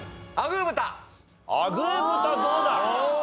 アグー豚どうだ？